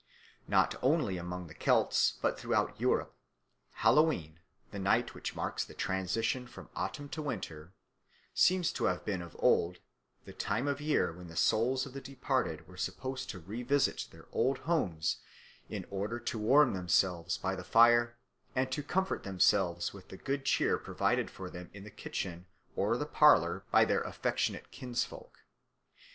Not only among the Celts but throughout Europe, Hallowe'en, the night which marks the transition from autumn to winter, seems to have been of old the time of year when the souls of the departed were supposed to revisit their old homes in order to warm themselves by the fire and to comfort themselves with the good cheer provided for them in the kitchen or the parlour by their affectionate kinsfolk.